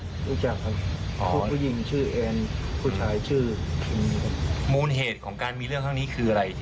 รู้จักครับผู้หญิงชื่อแอนผู้ชายชื่อมูลเหตุของการมีเรื่องข้างนี้คืออะไร